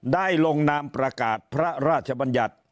ได้ลงน้ำประกาศพระราชบัญญัติ